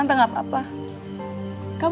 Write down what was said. nanti kita jalan parlac diaw